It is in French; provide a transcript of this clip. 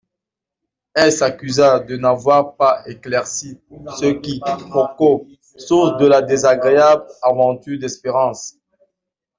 Elle s'accusa de n'avoir pas éclairci ce quiproquo, source de la désagréable aventure d'Espérance.